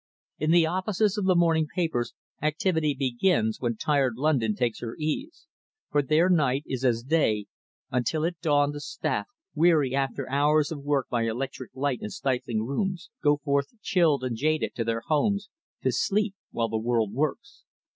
In the offices of the morning papers activity begins when tired London takes her ease, for their night is as day, until at dawn the staff, weary after hours of work by electric light in stifling rooms, go forth chilled and jaded to their homes to sleep while the world works.